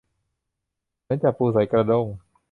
เหมือนจับปูใส่กระด้ง